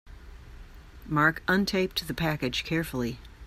Mark untaped the package carefully.